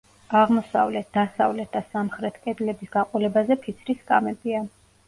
აღმოსავლეთ, დასავლეთ და სამხრეთ კედლების გაყოლებაზე ფიცრის სკამებია.